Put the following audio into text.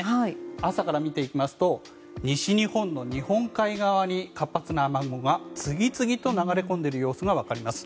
朝から見ていきますと西日本の日本海側に活発な雨雲が次々と流れ込んでいる様子が分かります。